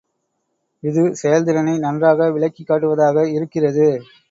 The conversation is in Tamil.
இது செயல்திறனை நன்றாக விளக்கிக்காட்டுவதாக இருக்கிறது.